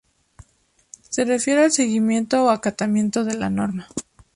Se refiere al seguimiento o acatamiento de la norma.